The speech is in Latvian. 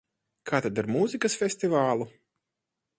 Kā tad ar mūzikas festivālu?